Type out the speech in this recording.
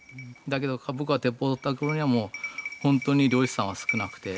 だけど僕が鉄砲を撃った頃にはもう本当に猟師さんは少なくて。